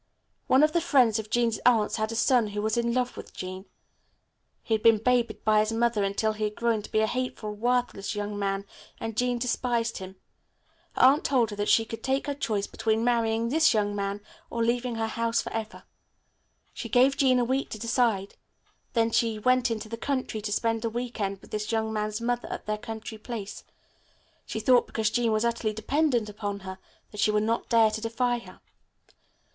One of the friends of Jean's aunt had a son who was in love with Jean. He had been babied by his mother until he had grown to be a hateful, worthless young man, and Jean despised him. Her aunt told her that she could take her choice between marrying this young man or leaving her house forever. She gave Jean a week to decide. Then she went into the country to spend a week end with this young man's mother at their country place. She thought because Jean was utterly dependent upon her that she would not dare to defy her.